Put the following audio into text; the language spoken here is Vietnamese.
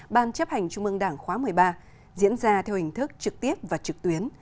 ban chấp hành trung ương đảng khóa một mươi ba diễn ra theo hình thức trực tiếp và trực tuyến